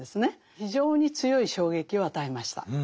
非常に強い衝撃を与えました。